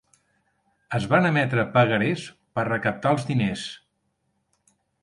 Es van emetre pagarés per recaptar els diners.